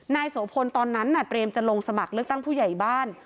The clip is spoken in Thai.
โสพลตอนนั้นน่ะเตรียมจะลงสมัครเลือกตั้งผู้ใหญ่บ้าน